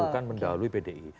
bukan mendahului pdi